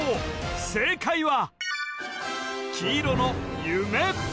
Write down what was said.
正解は黄色の夢